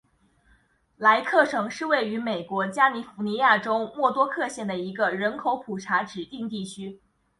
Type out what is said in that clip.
莱克城是位于美国加利福尼亚州莫多克县的一个人口普查指定地区。